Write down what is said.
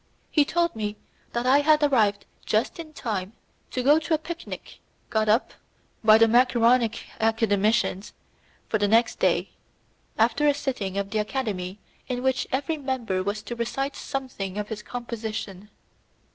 He told me that I had arrived just in time to go to a picnic got up by the Macaronic academicians for the next day, after a sitting of the academy in which every member was to recite something of his composition.